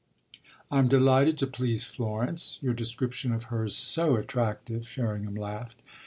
"I'm delighted to please Florence your description of her's so attractive!" Sherringham laughed.